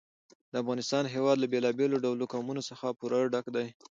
د افغانستان هېواد له بېلابېلو ډولو قومونه څخه پوره ډک دی.